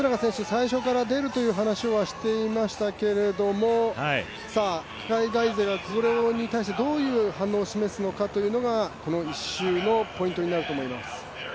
最初から出るという話はしていましたけれども海外勢はそれに対してどういう反応を示すのかというのがこの１周のポイントになると思います。